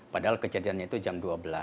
padahal kejadiannya itu jam dua belas